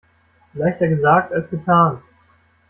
Leichter gesagt als getan.